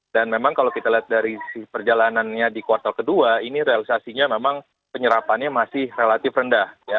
dan memang kalau kita lihat dari perjalanannya di kuartal kedua ini realisasinya memang penyerapannya masih relatif rendah